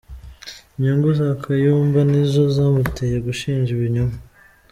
Inyungu za Kayumba nizo zamuteye gushinja ibinyoma